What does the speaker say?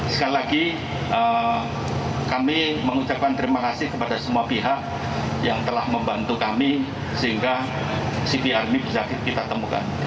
sekali lagi kami mengucapkan terima kasih kepada semua pihak yang telah membantu kami sehingga cpr ini bisa kita temukan